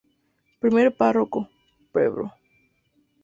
Primer párroco: Pbro.